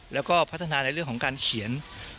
แล้วก็พัฒนาในเรื่องของการเขียน